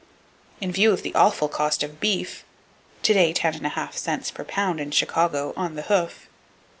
In view of the awful cost of beef (to day 10 1/2 cents per pound in Chicago on the hoof!)